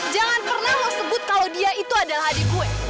jangan pernah lo sebut kalau dia itu adalah adik gue